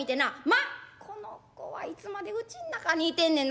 『まあこの子はいつまでうちん中にいてんねんな。